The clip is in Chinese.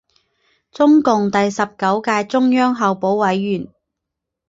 中共第十九届中央候补委员。